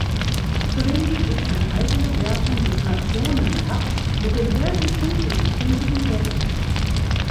Zudem gibt es eine eigene Wertung des Nationencups mit demselben Punktesystem wie im Weltcup.